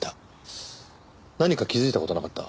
何か気づいた事なかった？